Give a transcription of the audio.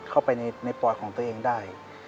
เข้าไปในปลอยของตัวเองได้